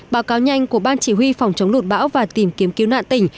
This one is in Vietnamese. báo cáo nhanh của ban chỉ huy phòng chống lụt bão và tìm kiếm cứu nạn tỉnh